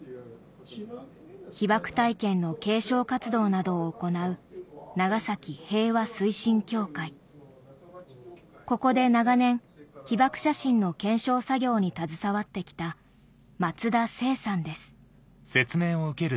被爆体験の継承活動などを行うここで長年被爆写真の検証作業に携わってきたあ。